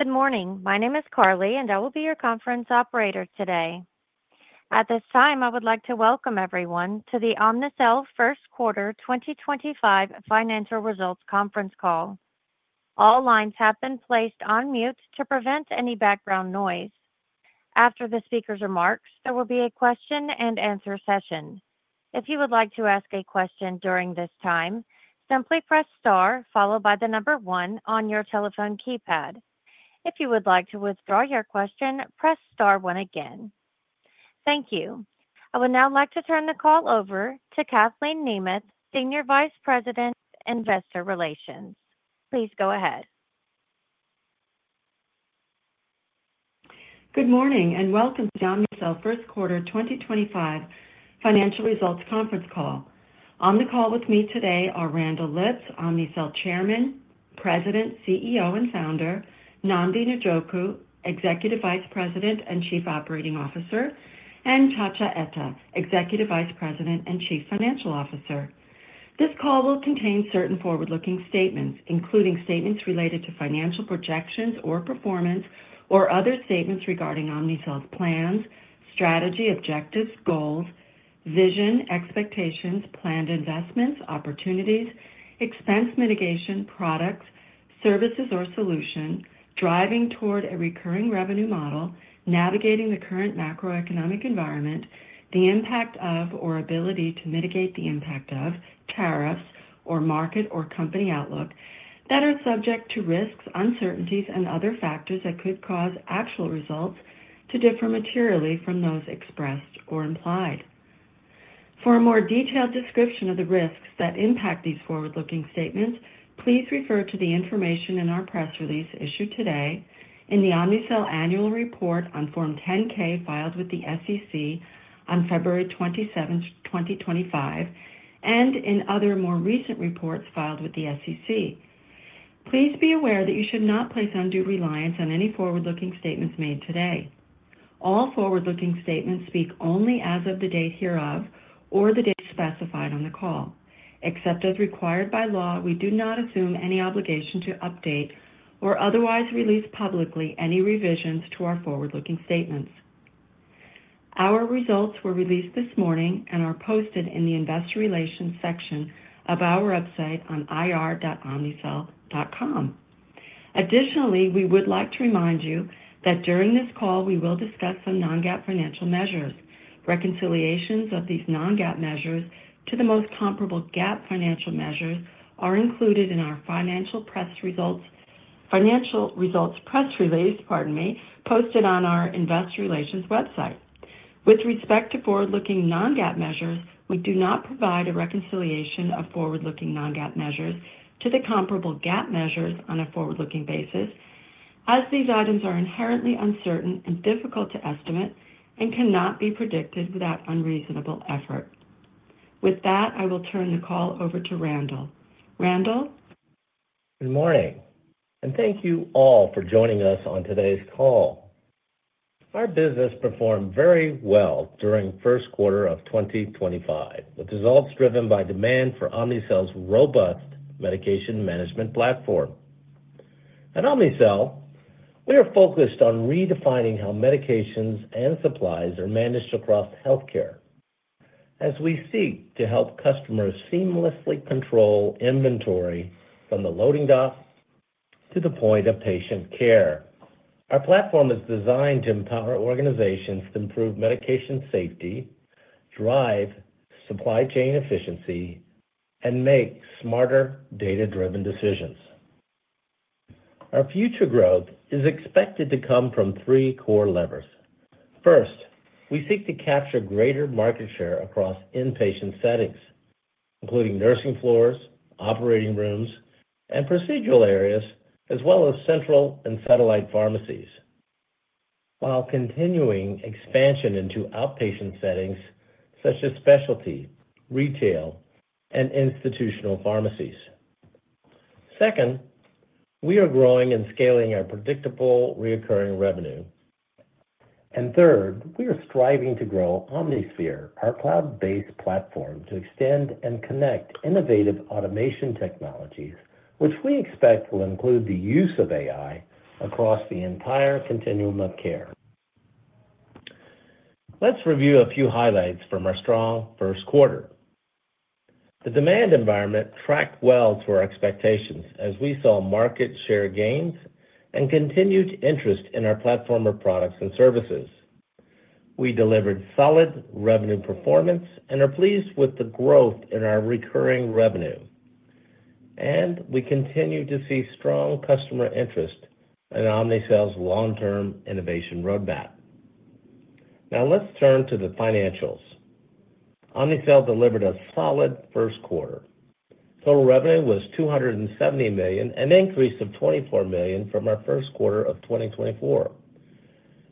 Good morning. My name is Carly, and I will be your conference operator today. At this time, I would like to welcome everyone to the Omnicell First Quarter 2025 Financial Results Conference Call. All lines have been placed on mute to prevent any background noise. After the speaker's remarks, there will be a Q&A session. If you would like to ask a question during this time, simply press star followed by the number one on your telephone keypad. If you would like to withdraw your question, press star one again. Thank you. I would now like to turn the call over to Kathleen Nemeth, Senior Vice President, Investor Relations. Please go ahead. Good morning and welcome to the Omnicell First Quarter 2025 Financial Results Conference Call. On the call with me today are Randall Lipps, Omnicell Chairman, President, CEO, and Founder, Nnamdi Njoku, Executive Vice President and Chief Operating Officer, and Nchacha Etta, Executive Vice President and Chief Financial Officer. This call will contain certain forward-looking statements, including statements related to financial projections or performance or other statements regarding Omnicell's plans, strategy, objectives, goals, vision, expectations, planned investments, opportunities, expense mitigation, products, services, or solutions, driving toward a recurring revenue model, navigating the current macroeconomic environment, the impact of or ability to mitigate the impact of tariffs or market or company outlook that are subject to risks, uncertainties, and other factors that could cause actual results to differ materially from those expressed or implied. For a more detailed description of the risks that impact these forward-looking statements, please refer to the information in our press release issued today, in the Omnicell Annual Report on Form 10-K filed with the SEC on February 27th, 2025, and in other more recent reports filed with the SEC. Please be aware that you should not place undue reliance on any forward-looking statements made today. All forward-looking statements speak only as of the date hereof or the date specified on the call. Except as required by law, we do not assume any obligation to update or otherwise release publicly any revisions to our forward-looking statements. Our results were released this morning and are posted in the Investor Relations section of our website on ir.omnicell.com. Additionally, we would like to remind you that during this call, we will discuss some non-GAAP financial measures. Reconciliations of these non-GAAP measures to the most comparable GAAP financial measures are included in our financial results press release, pardon me, posted on our Investor Relations website. With respect to forward-looking non-GAAP measures, we do not provide a reconciliation of forward-looking non-GAAP measures to the comparable GAAP measures on a forward-looking basis, as these items are inherently uncertain and difficult to estimate and cannot be predicted without unreasonable effort. With that, I will turn the call over to Randall. Randall. Good morning, and thank you all for joining us on today's call. Our business performed very well during the first quarter of 2025, with results driven by demand for Omnicell's robust medication management platform. At Omnicell, we are focused on redefining how medications and supplies are managed across healthcare as we seek to help customers seamlessly control inventory from the loading dock to the point of patient care. Our platform is designed to empower organizations to improve medication safety, drive supply chain efficiency, and make smarter data-driven decisions. Our future growth is expected to come from three core levers. First, we seek to capture greater market share across inpatient settings, including nursing floors, operating rooms, and procedural areas, as well as central and satellite pharmacies, while continuing expansion into outpatient settings such as specialty, retail, and institutional pharmacies. Second, we are growing and scaling our predictable recurring revenue. We are striving to grow OmniSphere, our cloud-based platform, to extend and connect innovative automation technologies, which we expect will include the use of AI across the entire continuum of care. Let's review a few highlights from our strong first quarter. The demand environment tracked well to our expectations as we saw market share gains and continued interest in our platform of products and services. We delivered solid revenue performance and are pleased with the growth in our recurring revenue. We continue to see strong customer interest in Omnicell's long-term innovation roadmap. Now, let's turn to the financials. Omnicell delivered a solid first quarter. Total revenue was $270 million, an increase of $24 million from our first quarter of 2024.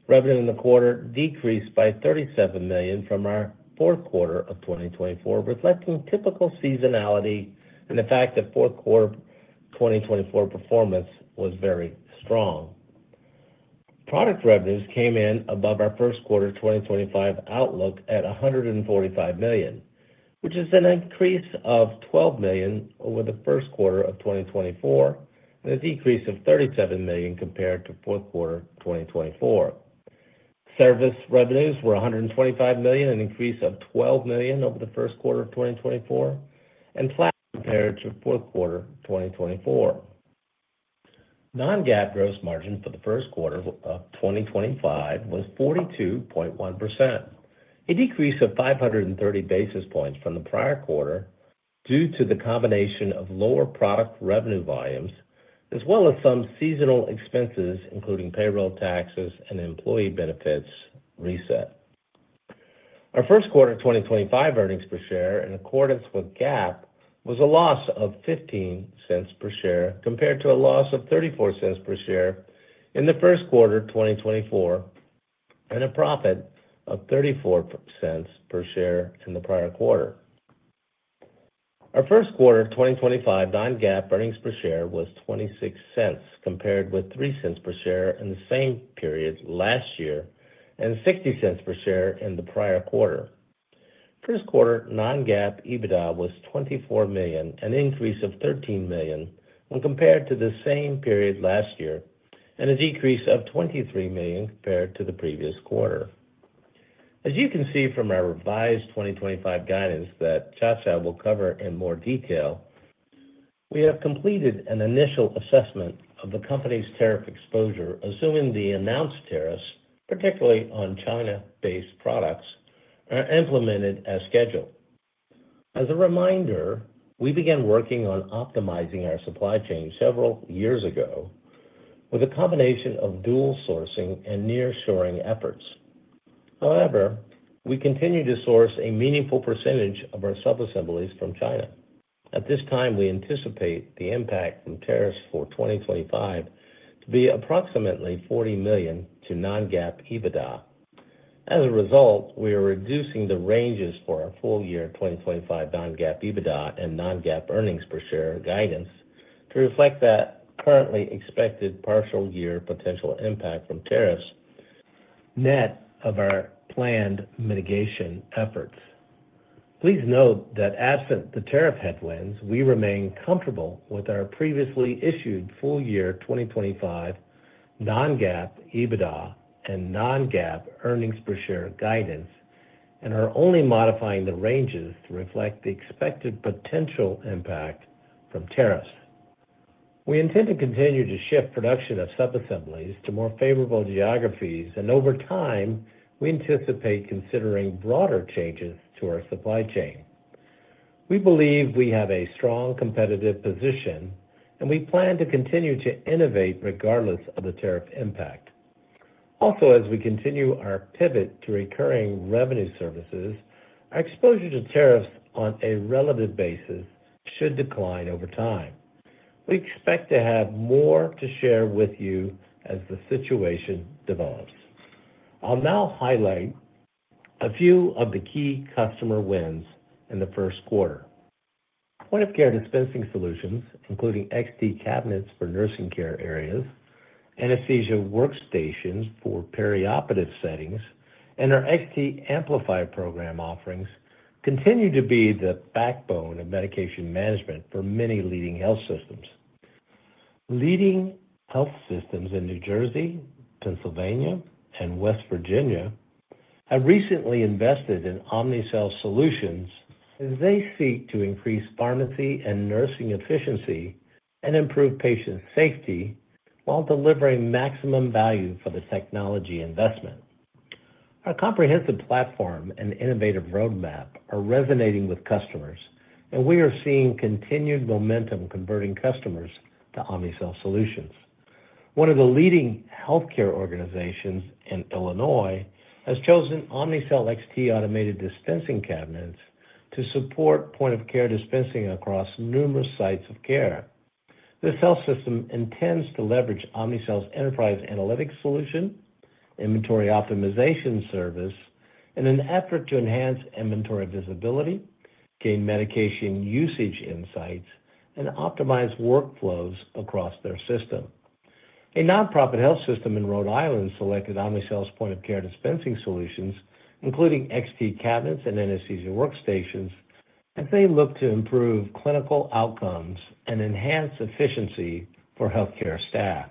Revenue in the quarter decreased by $37 million from our fourth quarter of 2024, reflecting typical seasonality and the fact that fourth quarter 2024 performance was very strong. Product revenues came in above our first quarter 2025 outlook at $145 million, which is an increase of $12 million over the first quarter of 2024 and a decrease of $37 million compared to fourth quarter 2024. Service revenues were $125 million, an increase of $12 million over the first quarter of 2024, and flat compared to fourth quarter 2024. Non-GAAP gross margin for the first quarter of 2025 was 42.1%, a decrease of 530 basis points from the prior quarter due to the combination of lower product revenue volumes, as well as some seasonal expenses, including payroll taxes and employee benefits reset. Our first quarter 2025 earnings per share, in accordance with GAAP, was a loss of $0.15 per share compared to a loss of $0.34 per share in the first quarter 2024 and a profit of $0.34 per share in the prior quarter. Our first quarter 2025 non-GAAP earnings per share was $0.26 compared with $0.03 per share in the same period last year and $0.60 per share in the prior quarter. First quarter non-GAAP EBITDA was $24 million, an increase of $13 million when compared to the same period last year, and a decrease of $23 million compared to the previous quarter. As you can see from our revised 2025 guidance that Nchacha will cover in more detail, we have completed an initial assessment of the company's tariff exposure, assuming the announced tariffs, particularly on China-based products, are implemented as scheduled. As a reminder, we began working on optimizing our supply chain several years ago with a combination of dual sourcing and near-shoring efforts. However, we continue to source a meaningful percentage of our subassemblies from China. At this time, we anticipate the impact from tariffs for 2025 to be approximately $40 million to non-GAAP EBITDA. As a result, we are reducing the ranges for our full year 2025 non-GAAP EBITDA and non-GAAP earnings per share guidance to reflect that currently expected partial year potential impact from tariffs net of our planned mitigation efforts. Please note that absent the tariff headwinds, we remain comfortable with our previously issued full year 2025 non-GAAP EBITDA and non-GAAP earnings per share guidance and are only modifying the ranges to reflect the expected potential impact from tariffs. We intend to continue to shift production of subassemblies to more favorable geographies, and over time, we anticipate considering broader changes to our supply chain. We believe we have a strong competitive position, and we plan to continue to innovate regardless of the tariff impact. Also, as we continue our pivot to recurring revenue services, our exposure to tariffs on a relative basis should decline over time. We expect to have more to share with you as the situation develops. I'll now highlight a few of the key customer wins in the first quarter. Point-of-care dispensing solutions, including XT cabinets for nursing care areas, anesthesia workstations for perioperative settings, and our XT Amplify program offerings continue to be the backbone of medication management for many leading health systems. Leading health systems in New Jersey, Pennsylvania, and West Virginia have recently invested in Omnicell Solutions as they seek to increase pharmacy and nursing efficiency and improve patient safety while delivering maximum value for the technology investment. Our comprehensive platform and innovative roadmap are resonating with customers, and we are seeing continued momentum converting customers to Omnicell Solutions. One of the leading healthcare organizations in Illinois has chosen Omnicell XT Automated Dispensing Cabinets to support point-of-care dispensing across numerous sites of care. This health system intends to leverage Omnicell's Enterprise Analytics Solution, Inventory Optimization Service, and an effort to enhance inventory visibility, gain medication usage insights, and optimize workflows across their system. A nonprofit health system in Rhode Island selected Omnicell's point-of-care dispensing solutions, including XT cabinets and Anesthesia Workstations, as they look to improve clinical outcomes and enhance efficiency for healthcare staff.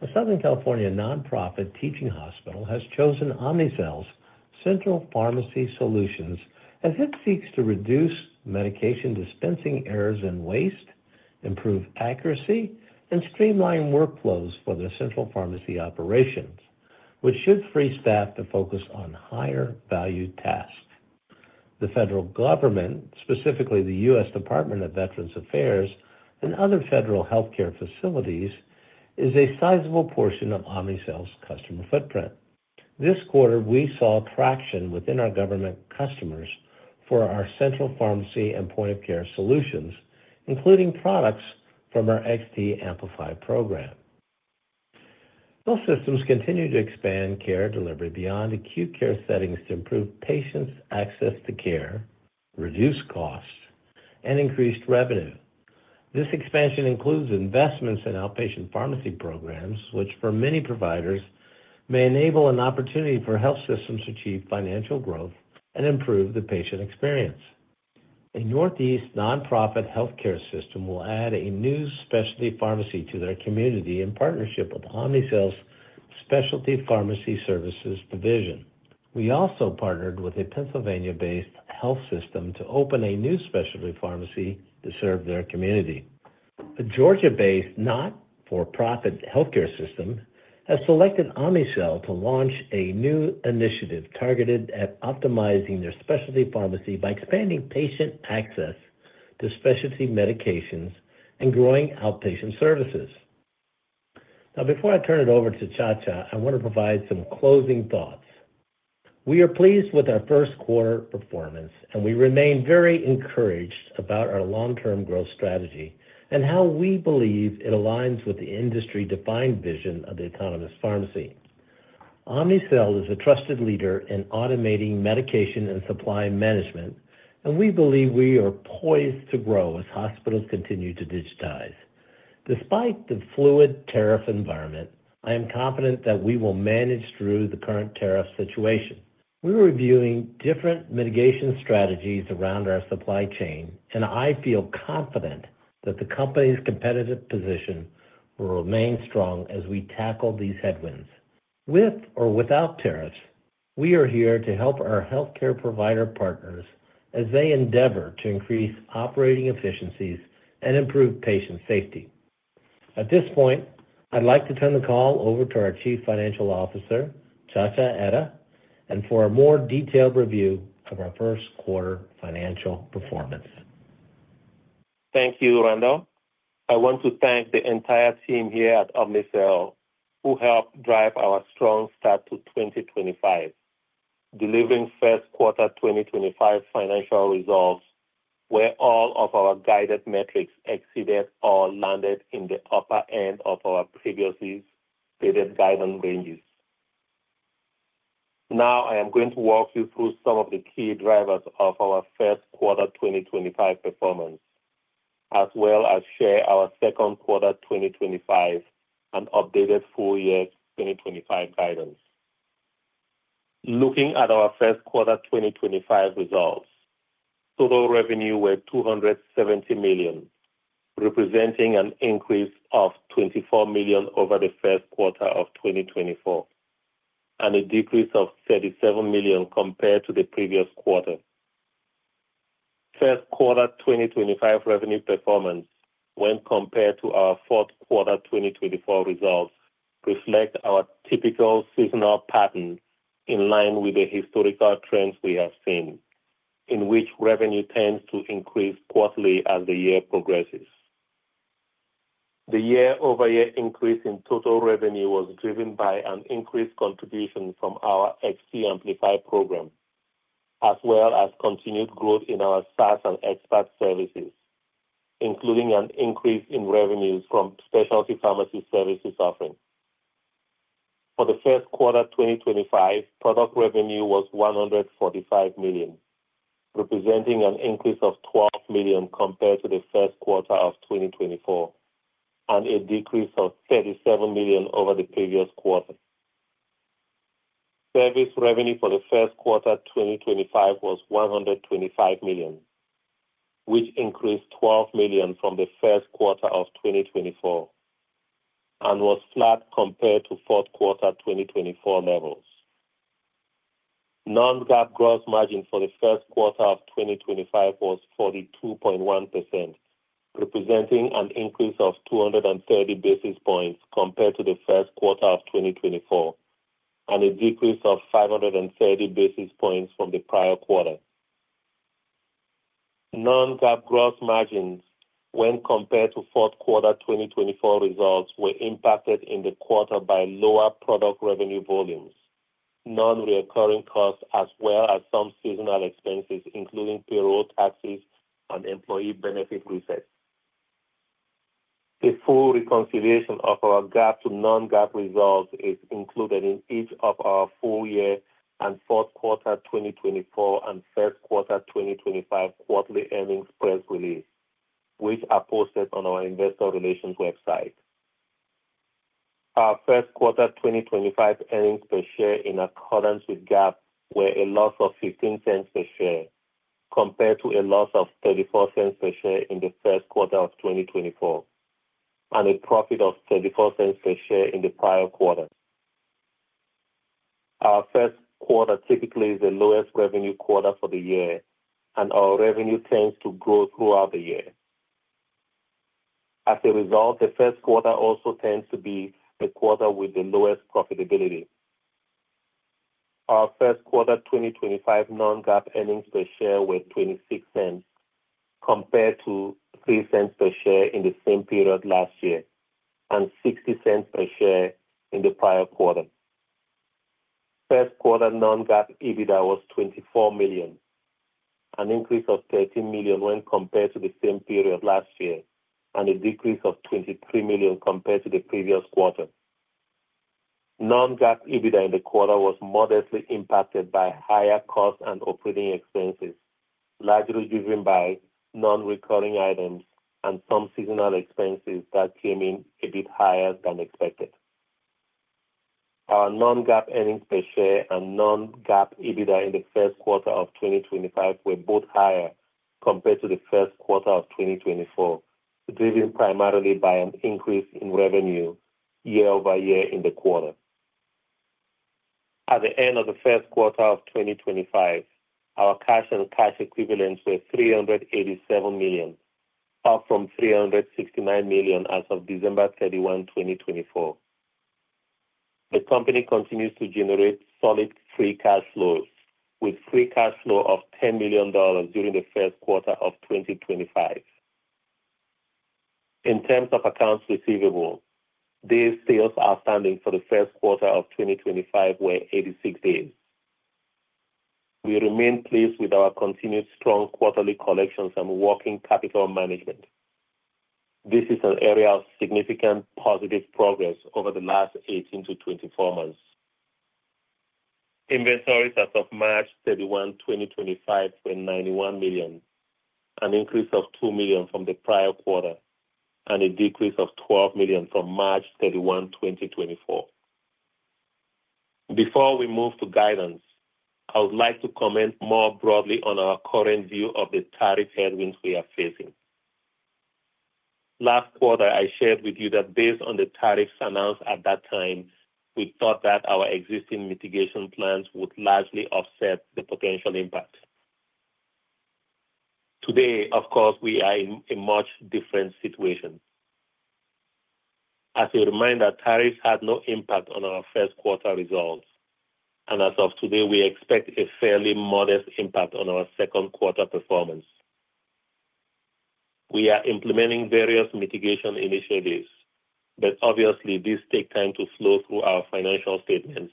A Southern California nonprofit teaching hospital has chosen Omnicell's Central Pharmacy Solutions as it seeks to reduce medication dispensing errors and waste, improve accuracy, and streamline workflows for their central pharmacy operations, which should free staff to focus on higher value tasks. The federal government, specifically the U.S. Department of Veterans Affairs and other federal healthcare facilities, is a sizable portion of Omnicell's customer footprint. This quarter, we saw traction within our government customers for our Central Pharmacy and Point-of-Care solutions, including products from our XT Amplify Program. Health systems continue to expand care delivery beyond acute care settings to improve patients' access to care, reduce costs, and increase revenue. This expansion includes investments in outpatient pharmacy programs, which for many providers may enable an opportunity for health systems to achieve financial growth and improve the patient experience. A Northeast nonprofit healthcare system will add a new specialty pharmacy to their community in partnership with Omnicell's Specialty Pharmacy Services division. We also partnered with a Pennsylvania-based health system to open a new specialty pharmacy to serve their community. A Georgia-based not-for-profit healthcare system has selected Omnicell to launch a new initiative targeted at optimizing their specialty pharmacy by expanding patient access to specialty medications and growing outpatient services. Now, before I turn it over to Nchacha, I want to provide some closing thoughts. We are pleased with our first quarter performance, and we remain very encouraged about our long-term growth strategy and how we believe it aligns with the industry-defined vision of the Autonomous Pharmacy. Omnicell is a trusted leader in automating medication and supply management, and we believe we are poised to grow as hospitals continue to digitize. Despite the fluid tariff environment, I am confident that we will manage through the current tariff situation. We are reviewing different mitigation strategies around our supply chain, and I feel confident that the company's competitive position will remain strong as we tackle these headwinds. With or without tariffs, we are here to help our healthcare provider partners as they endeavor to increase operating efficiencies and improve patient safety. At this point, I'd like to turn the call over to our Chief Financial Officer, Nchacha Etta, for a more detailed review of our first quarter financial performance. Thank you, Randall. I want to thank the entire team here at Omnicell who helped drive our strong start to 2025, delivering first quarter 2025 financial results where all of our guided metrics exceeded or landed in the upper end of our previously stated guidance ranges. Now, I am going to walk you through some of the key drivers of our first quarter 2025 performance, as well as share our second quarter 2025 and updated full year 2025 guidance. Looking at our first quarter 2025 results, total revenue was $270 million, representing an increase of $24 million over the first quarter of 2024 and a decrease of $37 million compared to the previous quarter. First quarter 2025 revenue performance, when compared to our fourth quarter 2024 results, reflects our typical seasonal pattern in line with the historical trends we have seen, in which revenue tends to increase quarterly as the year progresses. The year-over-year increase in total revenue was driven by an increased contribution from our XT Amplify Program, as well as continued growth in our SaaS and expert services, including an increase in revenues from Specialty Pharmacy Services offering. For the first quarter 2025, product revenue was $145 million, representing an increase of $12 million compared to the first quarter of 2024 and a decrease of $37 million over the previous quarter. Service revenue for the first quarter 2025 was $125 million, which increased $12 million from the first quarter of 2024 and was flat compared to fourth quarter 2024 levels. Non-GAAP gross margin for the first quarter of 2025 was 42.1%, representing an increase of 230 basis points compared to the first quarter of 2024 and a decrease of 530 basis points from the prior quarter. Non-GAAP gross margins, when compared to fourth quarter 2024 results, were impacted in the quarter by lower product revenue volumes, non-recurring costs, as well as some seasonal expenses, including payroll taxes and employee benefit reset. The full reconciliation of our GAAP to non-GAAP results is included in each of our full year and fourth quarter 2024 and first quarter 2025 quarterly earnings press release, which are posted on our investor relations website. Our first quarter 2025 earnings per share, in accordance with GAAP, were a loss of $0.15 per share compared to a loss of $0.34 per share in the first quarter of 2024 and a profit of $0.34 per share in the prior quarter. Our first quarter typically is the lowest revenue quarter for the year, and our revenue tends to grow throughout the year. As a result, the first quarter also tends to be the quarter with the lowest profitability. Our first quarter 2025 non-GAAP earnings per share were $0.26 compared to $0.03 per share in the same period last year and $0.60 per share in the prior quarter. First quarter non-GAAP EBITDA was $24 million, an increase of $13 million when compared to the same period last year, and a decrease of $23 million compared to the previous quarter. Non-GAAP EBITDA in the quarter was modestly impacted by higher costs and operating expenses, largely driven by non-recurring items and some seasonal expenses that came in a bit higher than expected. Our non-GAAP earnings per share and non-GAAP EBITDA in the first quarter of 2025 were both higher compared to the first quarter of 2024, driven primarily by an increase in revenue year-over-year in the quarter. At the end of the first quarter of 2025, our cash and cash equivalents were $387 million, up from $369 million as of December 31, 2024. The company continues to generate solid free cash flows, with free cash flow of $10 million during the first quarter of 2025. In terms of accounts receivable, day sales outstanding for the first quarter of 2025 were 86 days. We remain pleased with our continued strong quarterly collections and working capital management. This is an area of significant positive progress over the last 18 months-24 months. Inventories as of March 31, 2025, were $91 million, an increase of $2 million from the prior quarter, and a decrease of $12 million from March 31, 2024. Before we move to guidance, I would like to comment more broadly on our current view of the tariff headwinds we are facing. Last quarter, I shared with you that based on the tariffs announced at that time, we thought that our existing mitigation plans would largely offset the potential impact. Today, of course, we are in a much different situation. As a reminder, tariffs had no impact on our first quarter results, and as of today, we expect a fairly modest impact on our second quarter performance. We are implementing various mitigation initiatives, but obviously, these take time to flow through our financial statements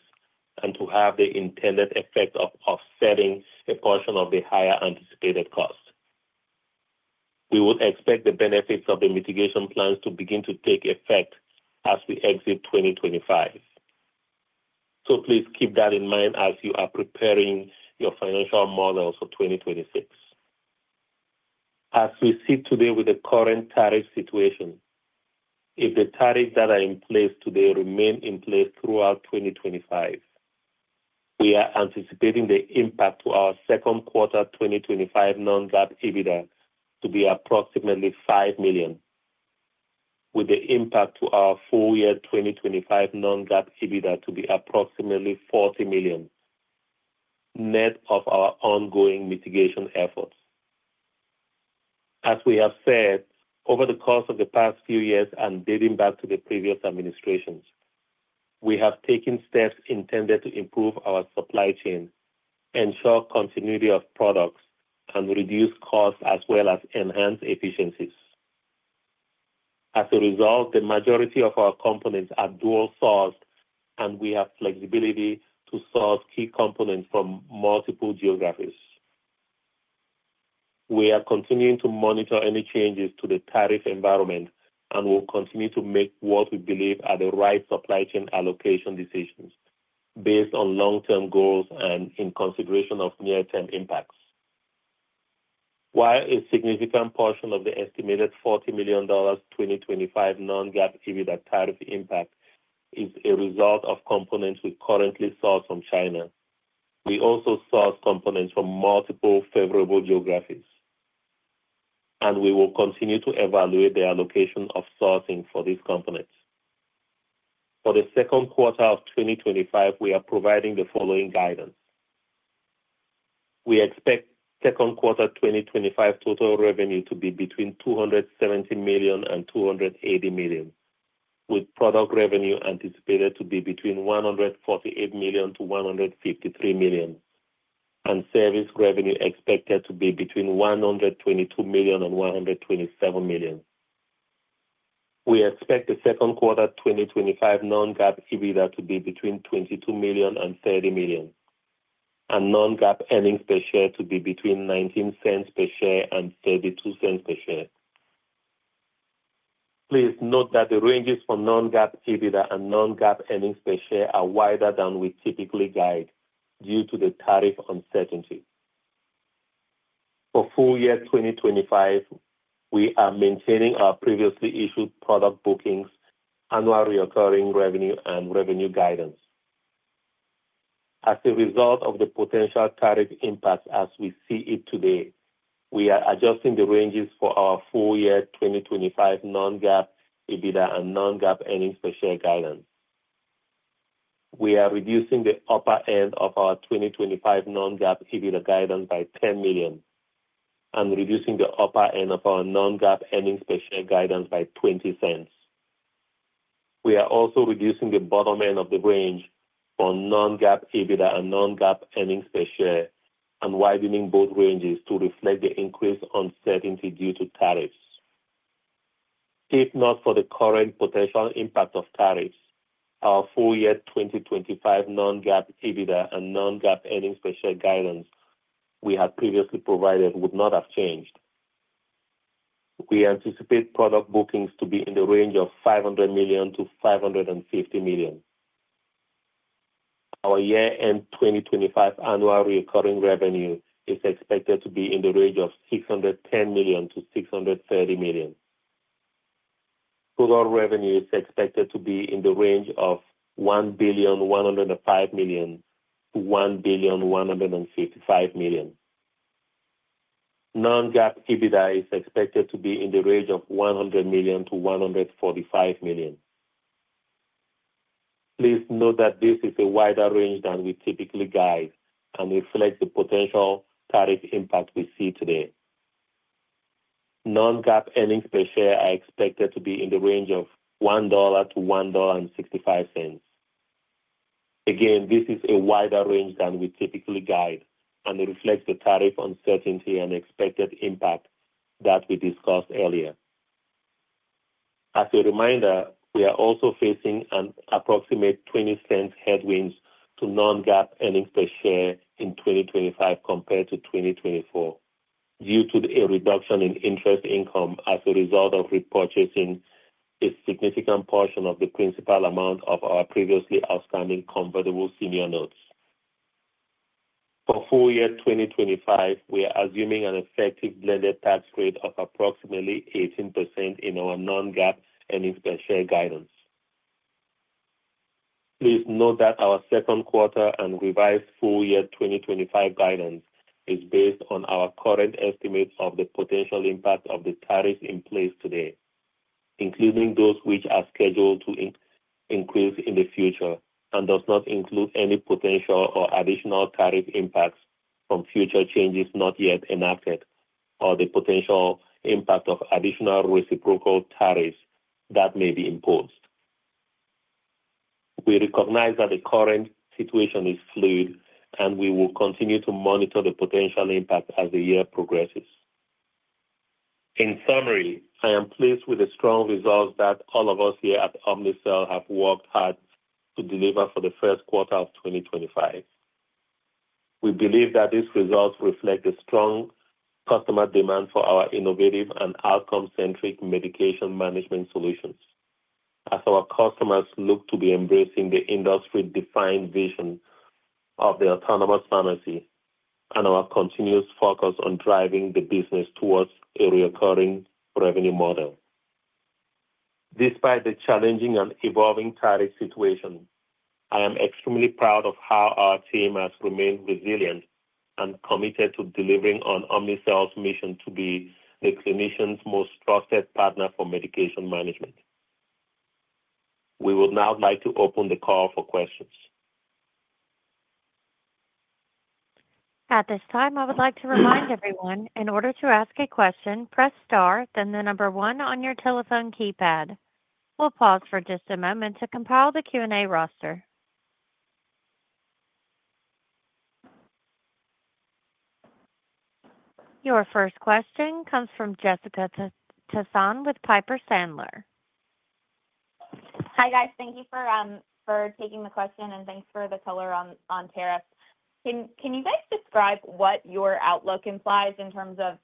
and to have the intended effect of offsetting a portion of the higher anticipated costs. We would expect the benefits of the mitigation plans to begin to take effect as we exit 2025. Please keep that in mind as you are preparing your financial models for 2026. As we sit today with the current tariff situation, if the tariffs that are in place today remain in place throughout 2025, we are anticipating the impact to our second quarter 2025 non-GAAP EBITDA to be approximately $5 million, with the impact to our full year 2025 non-GAAP EBITDA to be approximately $40 million net of our ongoing mitigation efforts. As we have said, over the course of the past few years and dating back to the previous administrations, we have taken steps intended to improve our supply chain, ensure continuity of products, and reduce costs as well as enhance efficiencies. As a result, the majority of our components are dual-sourced, and we have flexibility to source key components from multiple geographies. We are continuing to monitor any changes to the tariff environment and will continue to make what we believe are the right supply chain allocation decisions based on long-term goals and in consideration of near-term impacts. While a significant portion of the estimated $40 million 2025 non-GAAP EBITDA tariff impact is a result of components we currently source from China, we also source components from multiple favorable geographies, and we will continue to evaluate the allocation of sourcing for these components. For the second quarter of 2025, we are providing the following guidance. We expect second quarter 2025 total revenue to be between $270 million and $280 million, with product revenue anticipated to be between $148 million and $153 million, and service revenue expected to be between $122 million and $127 million. We expect the second quarter 2025 non-GAAP EBITDA to be between $22 million and $30 million, and non-GAAP earnings per share to be between $0.19 per share and $0.32 per share. Please note that the ranges for non-GAAP EBITDA and non-GAAP earnings per share are wider than we typically guide due to the tariff uncertainty. For full year 2025, we are maintaining our previously issued product bookings, annual recurring revenue, and revenue guidance. As a result of the potential tariff impacts as we see it today, we are adjusting the ranges for our full year 2025 non-GAAP EBITDA and non-GAAP earnings per share guidance. We are reducing the upper end of our 2025 non-GAAP EBITDA guidance by $10 million and reducing the upper end of our non-GAAP earnings per share guidance by $0.20. We are also reducing the bottom end of the range for non-GAAP EBITDA and non-GAAP earnings per share and widening both ranges to reflect the increased uncertainty due to tariffs. If not for the current potential impact of tariffs, our full year 2025 non-GAAP EBITDA and non-GAAP earnings per share guidance we had previously provided would not have changed. We anticipate product bookings to be in the range of $500 million-$550 million. Our year-end 2025 annual recurring revenue is expected to be in the range of $610 million-$630 million. Total revenue is expected to be in the range of $1,105 million-$1,155 million. Non-GAAP EBITDA is expected to be in the range of $100 million-$145 million. Please note that this is a wider range than we typically guide and reflects the potential tariff impact we see today. Non-GAAP earnings per share are expected to be in the range of $1-$1.65. Again, this is a wider range than we typically guide and reflects the tariff uncertainty and expected impact that we discussed earlier. As a reminder, we are also facing an approximate $0.20 headwind to non-GAAP earnings per share in 2025 compared to 2024 due to a reduction in interest income as a result of repurchasing a significant portion of the principal amount of our previously outstanding convertible senior notes. For full year 2025, we are assuming an effective blended tax rate of approximately 18% in our non-GAAP earnings per share guidance. Please note that our second quarter and revised full year 2025 guidance is based on our current estimates of the potential impact of the tariffs in place today, including those which are scheduled to increase in the future, and does not include any potential or additional tariff impacts from future changes not yet enacted or the potential impact of additional reciprocal tariffs that may be imposed. We recognize that the current situation is fluid, and we will continue to monitor the potential impact as the year progresses. In summary, I am pleased with the strong results that all of us here at Omnicell have worked hard to deliver for the first quarter of 2025. We believe that these results reflect the strong customer demand for our innovative and outcome-centric medication management solutions, as our customers look to be embracing the industry-defined vision of the autonomous pharmacy and our continuous focus on driving the business towards a recurring revenue model. Despite the challenging and evolving tariff situation, I am extremely proud of how our team has remained resilient and committed to delivering on Omnicell's mission to be the clinician's most trusted partner for medication management. We would now like to open the call for questions. At this time, I would like to remind everyone, in order to ask a question, press star, then the number one on your telephone keypad. We'll pause for just a moment to compile the Q&A roster. Your first question comes from Jessica Tassan with Piper Sandler. Hi, guys. Thank you for taking the question, and thanks for the color on tariffs. Can you guys describe what your outlook implies in terms of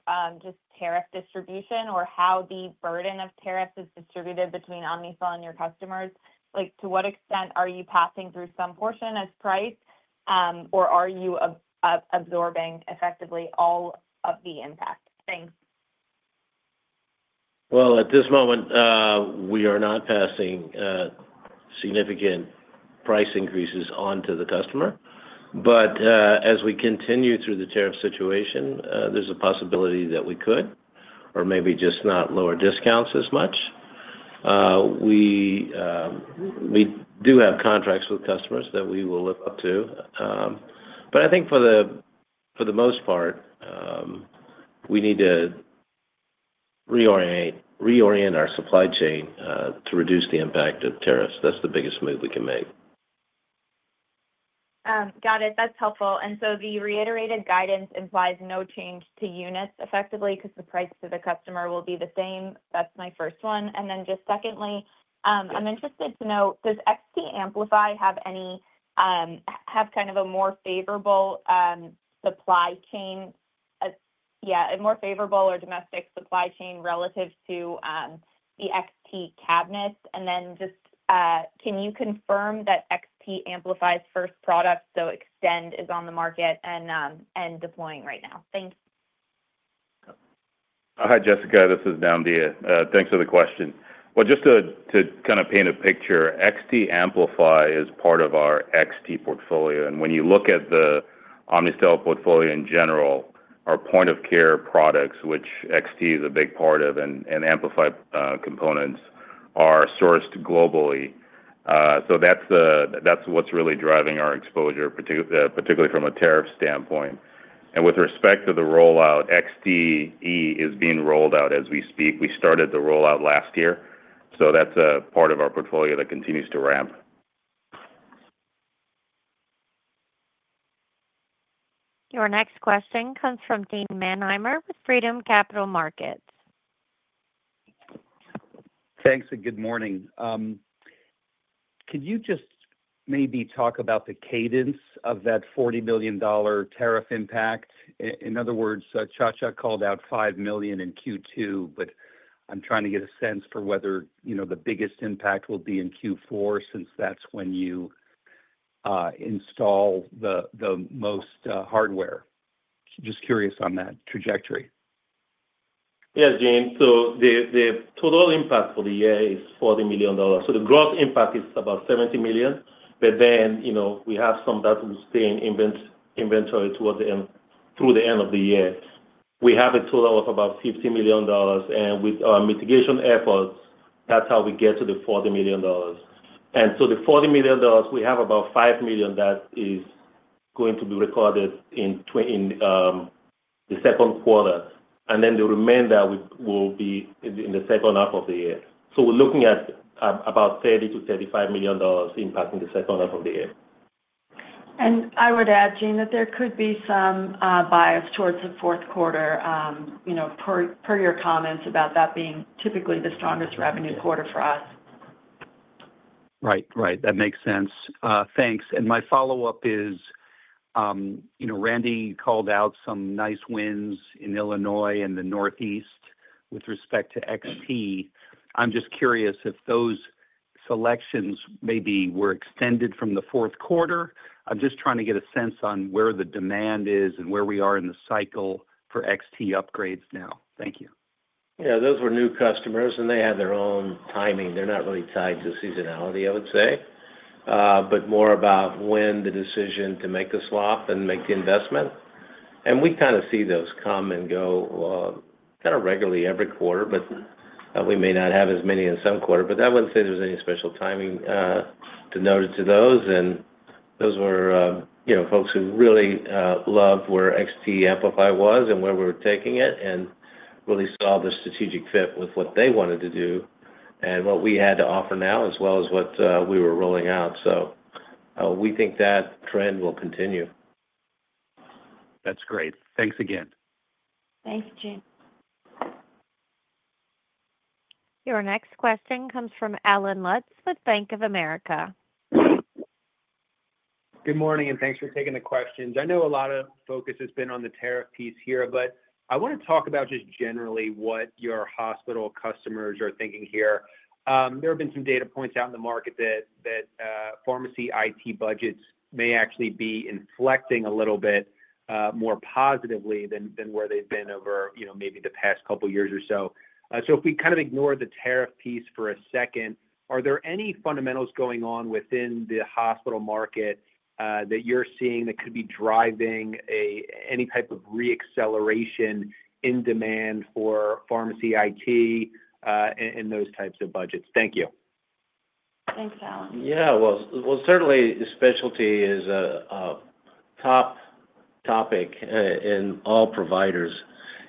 just tariff distribution or how the burden of tariffs is distributed between Omnicell and your customers? To what extent are you passing through some portion as price, or are you absorbing effectively all of the impact? Thanks. At this moment, we are not passing significant price increases onto the customer. As we continue through the tariff situation, there's a possibility that we could, or maybe just not lower discounts as much. We do have contracts with customers that we will live up to. I think for the most part, we need to reorient our supply chain to reduce the impact of tariffs. That's the biggest move we can make. Got it. That's helpful. The reiterated guidance implies no change to units effectively because the price to the customer will be the same. That's my first one. Secondly, I'm interested to know, does XT Amplify have kind of a more favorable supply chain? Yeah, a more favorable or domestic supply chain relative to the XT cabinets? Can you confirm that XT Amplify's first product, so XTExtend, is on the market and deploying right now? Thanks. Hi, Jessica. This is Nnamdi. Thanks for the question. Just to kind of paint a picture, XT Amplify is part of our XT portfolio. When you look at the Omnicell portfolio in general, our point of care products, which XT is a big part of, and Amplify components are sourced globally. That is what is really driving our exposure, particularly from a tariff standpoint. With respect to the rollout, XT is being rolled out as we speak. We started the rollout last year. That is a part of our portfolio that continues to ramp. Your next question comes from Gene Mannheimer with Freedom Capital Markets. Thanks, and good morning. Could you just maybe talk about the cadence of that $40 million tariff impact? In other words, Nchacha called out $5 million in Q2, but I am trying to get a sense for whether the biggest impact will be in Q4 since that is when you install the most hardware. Just curious on that trajectory. Yes, Gene. The total impact for the year is $40 million. The gross impact is about $70 million. We have some that will stay in inventory through the end of the year. We have a total of about $50 million. With our mitigation efforts, that's how we get to the $40 million. The $40 million, we have about $5 million that is going to be recorded in the second quarter. The remainder will be in the second half of the year. We're looking at about $30 million-$35 million impact in the second half of the year. I would add, Gene, that there could be some bias towards the fourth quarter per your comments about that being typically the strongest revenue quarter for us. Right, right. That makes sense. Thanks. My follow-up is Randy called out some nice wins in Illinois and the Northeast with respect to XT. I'm just curious if those selections maybe were extended from the fourth quarter. I'm just trying to get a sense on where the demand is and where we are in the cycle for XT upgrades now. Thank you. Yeah, those were new customers, and they had their own timing. They're not really tied to seasonality, I would say, but more about when the decision to make the swap and make the investment. We kind of see those come and go kind of regularly every quarter, but we may not have as many in some quarter. I wouldn't say there was any special timing denoted to those. Those were folks who really loved where XT Amplify was and where we were taking it and really saw the strategic fit with what they wanted to do and what we had to offer now as well as what we were rolling out. We think that trend will continue. That's great. Thanks again. Thanks, Gene. Your next question comes from Allen Lutz with Bank of America. Good morning, and thanks for taking the questions. I know a lot of focus has been on the tariff piece here, but I want to talk about just generally what your hospital customers are thinking here. There have been some data points out in the market that pharmacy IT budgets may actually be inflecting a little bit more positively than where they've been over maybe the past couple of years or so. If we kind of ignore the tariff piece for a second, are there any fundamentals going on within the hospital market that you're seeing that could be driving any type of re-acceleration in demand for pharmacy IT and those types of budgets? Thank you. Thanks, Allen. Yeah. Certainly, specialty is a top topic in all providers.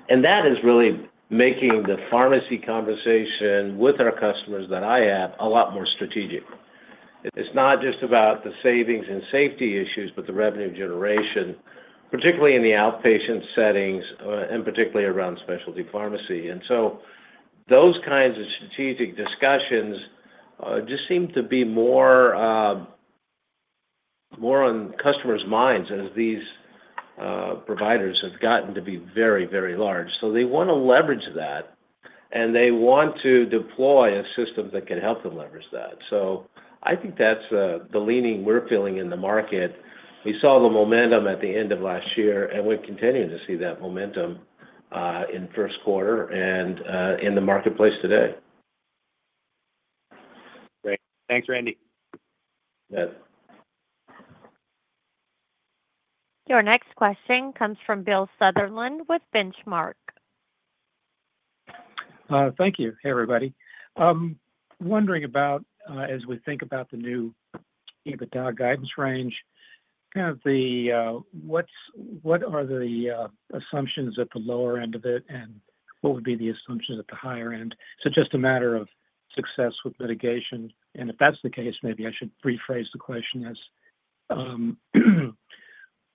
That is really making the pharmacy conversation with our customers that I have a lot more strategic. It's not just about the savings and safety issues, but the revenue generation, particularly in the outpatient settings and particularly around specialty pharmacy. Those kinds of strategic discussions just seem to be more on customers' minds as these providers have gotten to be very, very large. They want to leverage that, and they want to deploy a system that can help them leverage that. I think that's the leaning we're feeling in the market. We saw the momentum at the end of last year, and we're continuing to see that momentum in first quarter and in the marketplace today. Great. Thanks, Randy. Your next question comes from Bill Sutherland with Benchmark. Thank you. Hey, everybody. Wondering about, as we think about the new EBITDA guidance range, kind of what are the assumptions at the lower end of it, and what would be the assumptions at the higher end? Just a matter of success with mitigation. If that's the case, maybe I should rephrase the question as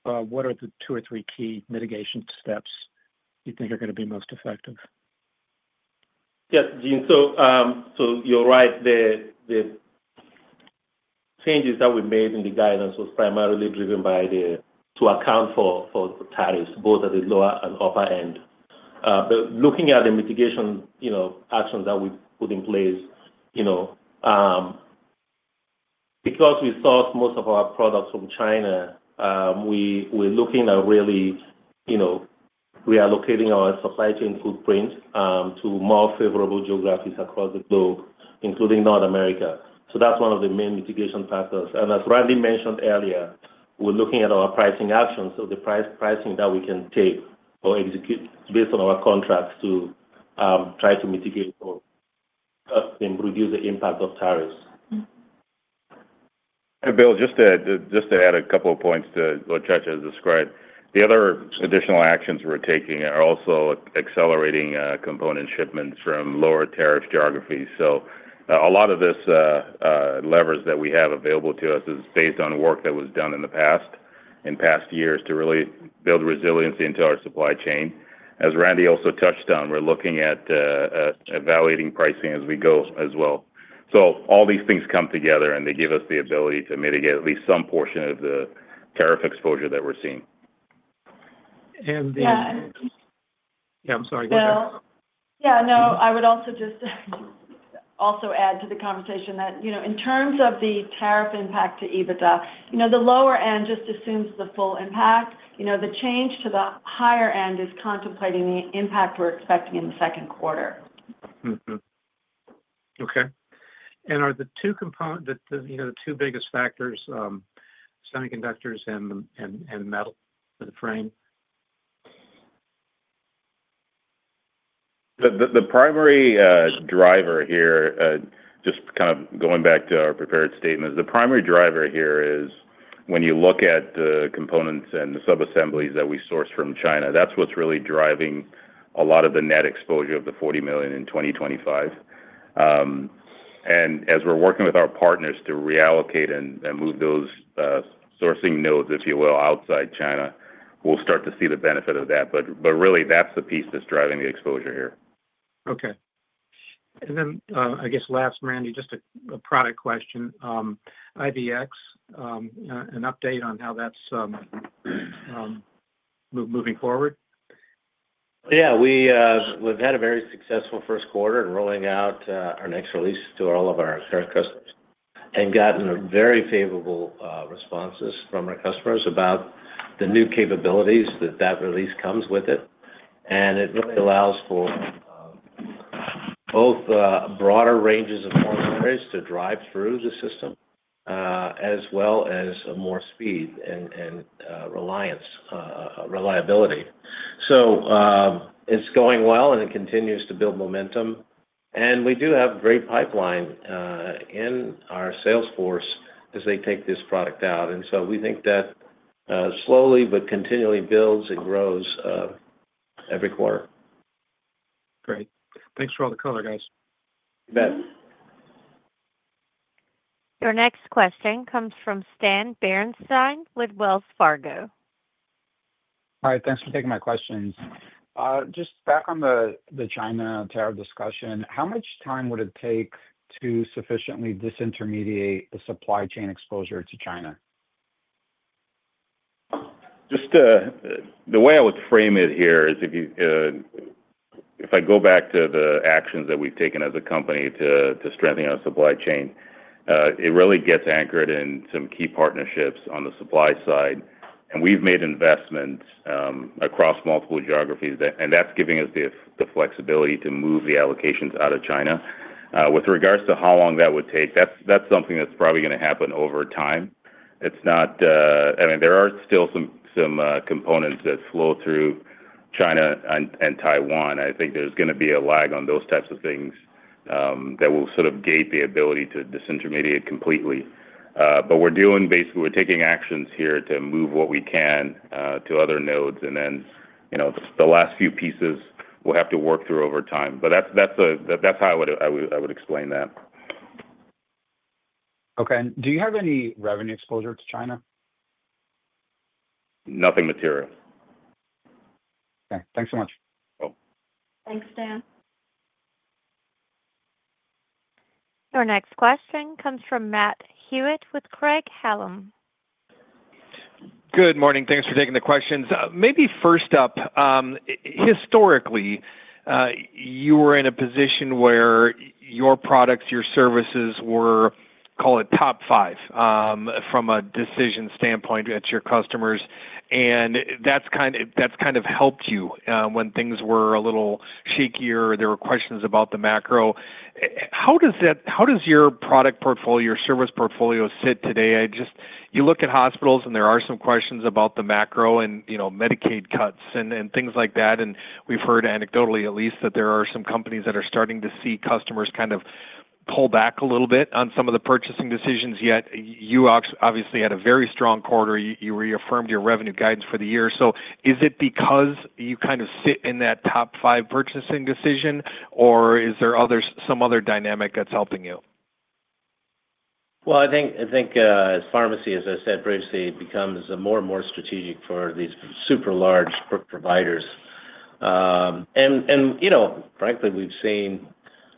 what are the two or three key mitigation steps you think are going to be most effective? Yes, Bill. You're right. The changes that we made in the guidance was primarily driven by the. To account for the tariffs, both at the lower and upper end. Looking at the mitigation actions that we put in place, because we source most of our products from China, we're looking at really reallocating our supply chain footprint to more favorable geographies across the globe, including North America. That is one of the main mitigation factors. As Randy mentioned earlier, we're looking at our pricing actions, so the pricing that we can take or execute based on our contracts to try to mitigate or reduce the impact of tariffs. Bill, just to add a couple of points to what Nchacha described, the other additional actions we're taking are also accelerating component shipments from lower tariff geographies. A lot of this leverage that we have available to us is based on work that was done in the past, in past years, to really build resiliency into our supply chain. As Randy also touched on, we're looking at evaluating pricing as we go as well. All these things come together, and they give us the ability to mitigate at least some portion of the tariff exposure that we're seeing. Yeah. I'm sorry. Go ahead. Yeah. No, I would also just also add to the conversation that in terms of the tariff impact to EBITDA, the lower end just assumes the full impact. The change to the higher end is contemplating the impact we're expecting in the second quarter. Okay. And are the two components, the two biggest factors, semiconductors and metal for the frame? The primary driver here, just kind of going back to our prepared statements, the primary driver here is when you look at the components and the subassemblies that we source from China, that's what's really driving a lot of the net exposure of the $40 million in 2025. As we're working with our partners to reallocate and move those sourcing nodes, if you will, outside China, we'll start to see the benefit of that. Really, that's the piece that's driving the exposure here. Okay. I guess last, Randy, just a product question. IVX, an update on how that's moving forward? Yeah. We've had a very successful first quarter in rolling out our next release to all of our current customers and gotten very favorable responses from our customers about the new capabilities that that release comes with it. It really allows for both broader ranges of formularies to drive through the system, as well as more speed and reliability. It is going well, and it continues to build momentum. We do have great pipeline in our salesforce as they take this product out. We think that slowly but continually builds and grows every quarter. Great. Thanks for all the color, guys. You bet. Your next question comes from Stan Berenshteyn with Wells Fargo. All right. Thanks for taking my questions. Just back on the China tariff discussion, how much time would it take to sufficiently disintermediate the supply chain exposure to China? The way I would frame it here is if I go back to the actions that we have taken as a company to strengthen our supply chain, it really gets anchored in some key partnerships on the supply side. We have made investments across multiple geographies, and that is giving us the flexibility to move the allocations out of China. With regards to how long that would take, that is something that is probably going to happen over time. I mean, there are still some components that flow through China and Taiwan. I think there is going to be a lag on those types of things that will sort of gate the ability to disintermediate completely. We are doing basically we are taking actions here to move what we can to other nodes. The last few pieces we will have to work through over time. That is how I would explain that. Okay. Do you have any revenue exposure to China? Nothing material. Okay. Thanks so much. Thanks, Stan. Your next question comes from Matt Hewitt with Craig-Hallum. Good morning. Thanks for taking the questions. Maybe first up, historically, you were in a position where your products, your services were, call it top five from a decision standpoint at your customers. And that's kind of helped you when things were a little shakier or there were questions about the macro. How does your product portfolio, your service portfolio sit today? You look at hospitals, and there are some questions about the macro and Medicaid cuts and things like that. And we've heard anecdotally, at least, that there are some companies that are starting to see customers kind of pull back a little bit on some of the purchasing decisions. Yet you obviously had a very strong quarter. You reaffirmed your revenue guidance for the year. So is it because you kind of sit in that top five purchasing decision, or is there some other dynamic that's helping you? I think pharmacy, as I said previously, becomes more and more strategic for these super large providers. Frankly, we've seen,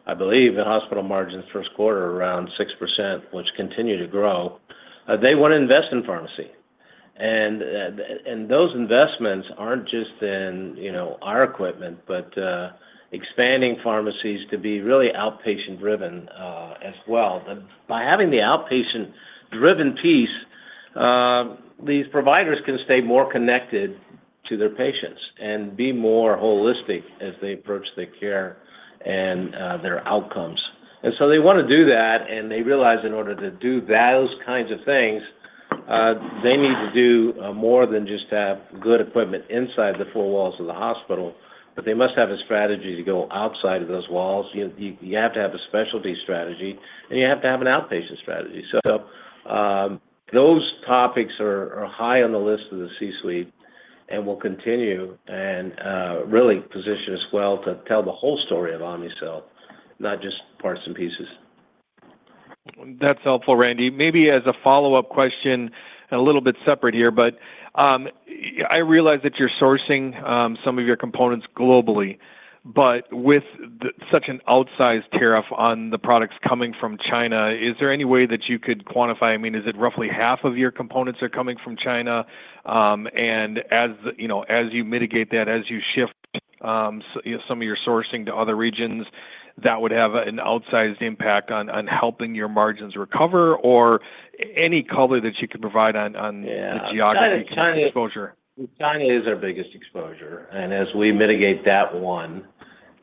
I believe, the hospital margins first quarter around 6%, which continue to grow. They want to invest in pharmacy. Those investments aren't just in our equipment, but expanding pharmacies to be really outpatient-driven as well. By having the outpatient-driven piece, these providers can stay more connected to their patients and be more holistic as they approach their care and their outcomes. They want to do that. They realize in order to do those kinds of things, they need to do more than just have good equipment inside the four walls of the hospital, but they must have a strategy to go outside of those walls. You have to have a specialty strategy, and you have to have an outpatient strategy. Those topics are high on the list of the C-suite and will continue and really position us well to tell the whole story of Omnicell, not just parts and pieces. That's helpful, Randy. Maybe as a follow-up question, a little bit separate here, but I realize that you're sourcing some of your components globally. With such an outsized tariff on the products coming from China, is there any way that you could quantify? I mean, is it roughly half of your components are coming from China? As you mitigate that, as you shift some of your sourcing to other regions, that would have an outsized impact on helping your margins recover or any color that you could provide on the geography exposure? China is our biggest exposure. As we mitigate that one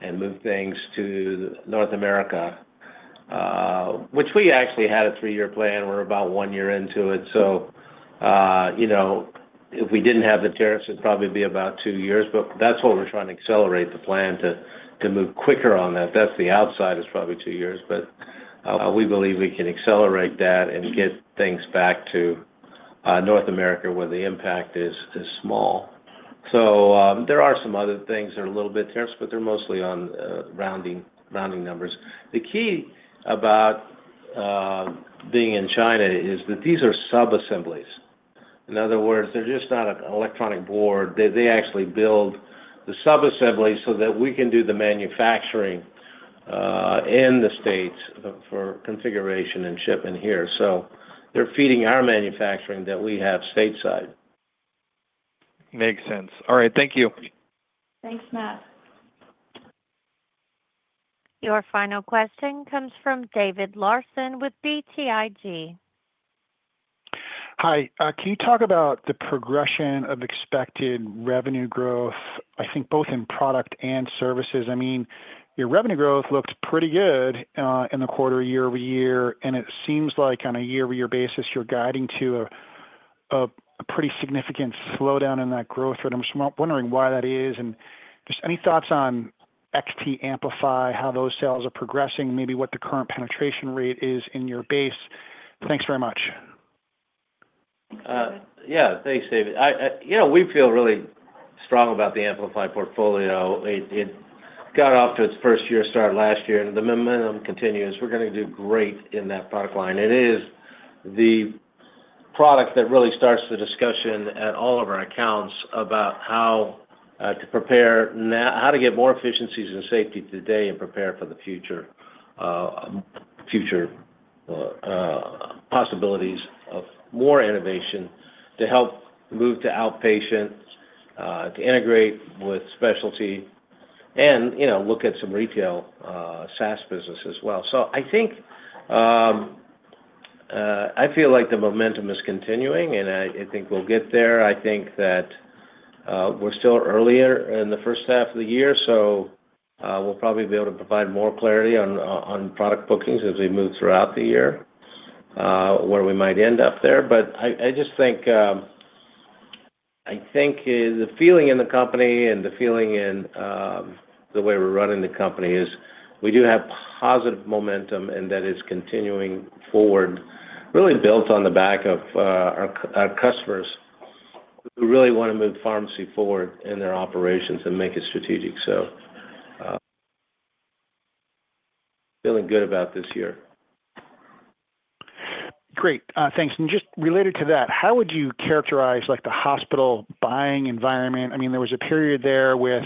and move things to North America, which we actually had a three-year plan. We're about one year into it. If we didn't have the tariffs, it'd probably be about two years. That's what we're trying to accelerate, the plan to move quicker on that. The outside is probably two years. We believe we can accelerate that and get things back to North America where the impact is small. There are some other things that are a little bit tariffs, but they're mostly on rounding numbers. The key about being in China is that these are subassemblies. In other words, they're just not an electronic board. They actually build the subassemblies so that we can do the manufacturing in the states for configuration and shipment here. They're feeding our manufacturing that we have stateside. Makes sense. All right. Thank you. Thanks, Matt. Your final question comes from David Larsen with BTIG. Hi. Can you talk about the progression of expected revenue growth, I think both in product and services? I mean, your revenue growth looked pretty good in the quarter year over year. It seems like on a year-over-year basis, you're guiding to a pretty significant slowdown in that growth. I'm just wondering why that is. Just any thoughts on XT Amplify, how those sales are progressing, maybe what the current penetration rate is in your base? Thanks very much. Yeah. Thanks, David. We feel really strong about the Amplify portfolio. It got off to its first year start last year, and the momentum continues. We're going to do great in that product line. It is the product that really starts the discussion at all of our accounts about how to prepare, how to get more efficiencies and safety today and prepare for the future possibilities of more innovation to help move to outpatient, to integrate with specialty, and look at some retail SaaS business as well. I feel like the momentum is continuing, and I think we'll get there. I think that we're still earlier in the first half of the year, so we'll probably be able to provide more clarity on product bookings as we move throughout the year, where we might end up there. I just think the feeling in the company and the feeling in the way we're running the company is we do have positive momentum, and that is continuing forward, really built on the back of our customers who really want to move pharmacy forward in their operations and make it strategic. So feeling good about this year. Great. Thanks. Just related to that, how would you characterize the hospital buying environment? I mean, there was a period there with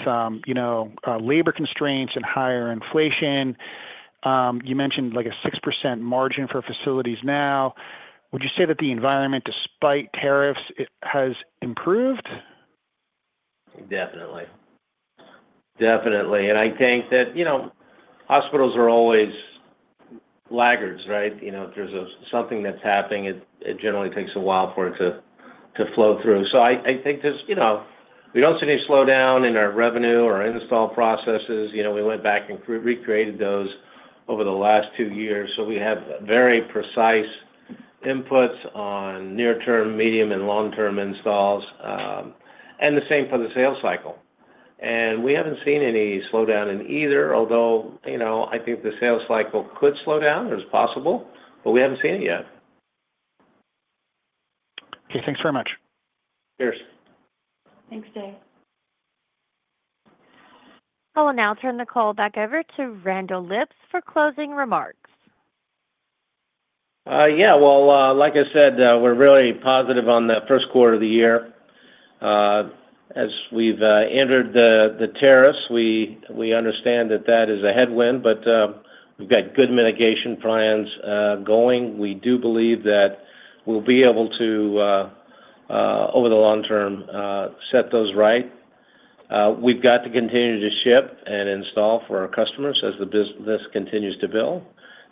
labor constraints and higher inflation. You mentioned a 6% margin for facilities now. Would you say that the environment, despite tariffs, has improved? Definitely. Definitely. I think that hospitals are always laggards, right? If there's something that's happening, it generally takes a while for it to flow through. I think we don't see any slowdown in our revenue or install processes. We went back and recreated those over the last two years. So we have very precise inputs on near-term, medium, and long-term installs. And the same for the sales cycle. We haven't seen any slowdown in either, although I think the sales cycle could slow down. It's possible, but we haven't seen it yet. Okay. Thanks very much. Cheers. Thanks, David. I'll now turn the call back over to Randall Lipps for closing remarks. Yeah. Like I said, we're really positive on the first quarter of the year. As we've entered the tariffs, we understand that that is a headwind, but we've got good mitigation plans going. We do believe that we'll be able to, over the long term, set those right. We've got to continue to ship and install for our customers as the business continues to build.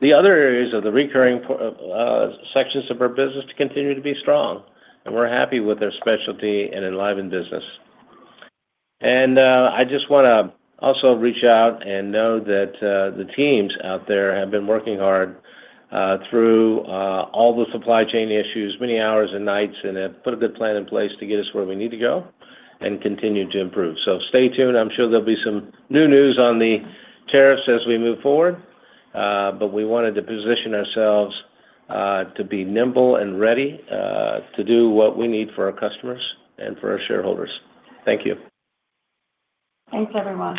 The other areas of the recurring sections of our business continue to be strong. We're happy with our specialty and enlivened business. I just want to also reach out and know that the teams out there have been working hard through all the supply chain issues, many hours and nights, and have put a good plan in place to get us where we need to go and continue to improve. Stay tuned. I'm sure there'll be some new news on the tariffs as we move forward. We wanted to position ourselves to be nimble and ready to do what we need for our customers and for our shareholders. Thank you. Thanks, everyone.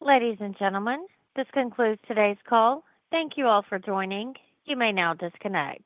Ladies and gentlemen, this concludes today's call. Thank you all for joining. You may now disconnect.